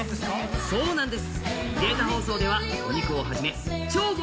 そうなんです。